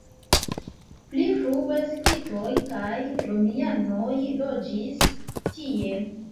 Pli frue skitoj kaj romianoj loĝis tie.